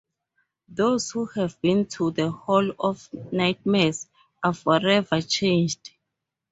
Those who have been to the Hall of Nightmares are forever changed.